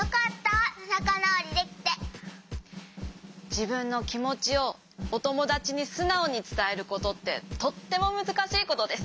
じぶんのきもちをおともだちにすなおにつたえることってとってもむずかしいことです。